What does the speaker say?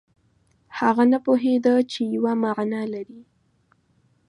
هغه نه پوهېده چې یوه معنا لري.